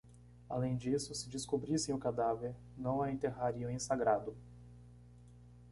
Além disso, se descobrissem o cadáver, não a enterrariam em sagrado.